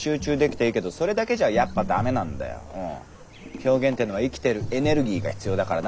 「表現」ってのは生きてるエネルギーが必要だからな。